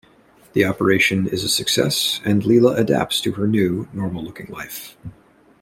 The operation is a success, and Leela adapts to her new, normal-looking life.